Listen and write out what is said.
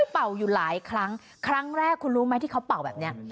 เป่าอยู่หลายครั้งครั้งแรกคุณรู้ไหมที่เขาเป่าแบบนี้